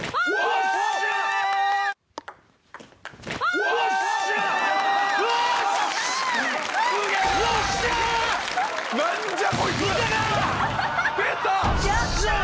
よっしゃ！